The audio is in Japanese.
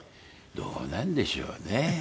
どうなんでしょうね。